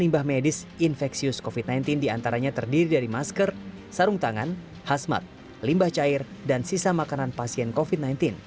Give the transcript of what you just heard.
limbah medis infeksius covid sembilan belas diantaranya terdiri dari masker sarung tangan hasmat limbah cair dan sisa makanan pasien covid sembilan belas